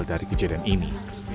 dari kejadian ini